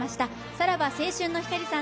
さらば青春の光さん